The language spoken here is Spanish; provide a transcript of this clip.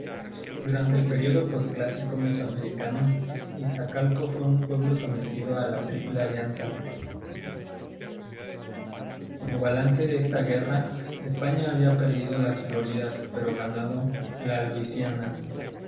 Como balance de esta guerra, España había perdido las Floridas pero ganado la Luisiana.